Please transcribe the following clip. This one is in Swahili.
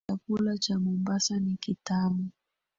Chakula cha Mombasa ni kitamu.